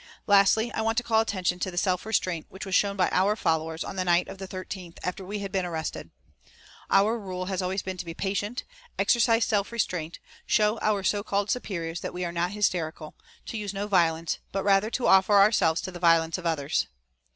"Lastly, I want to call attention to the self restraint which was shown by our followers on the night of the 13th, after we had been arrested. Our rule has always been to be patient, exercise self restraint, show our so called superiors that we are not hysterical; to use no violence, but rather to offer ourselves to the violence of others.